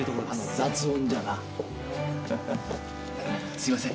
すいません。